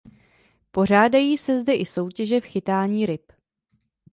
Pořádají se zde i soutěže v chytání ryb.